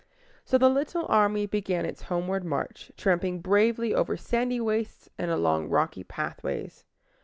So the little army began its homeward march, tramping bravely over sandy wastes and along rocky pathways.